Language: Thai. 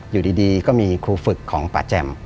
อยู่ดีก็มีครูฝึกของป่าแจ่ม